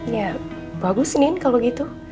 ya bagus nin kalau gitu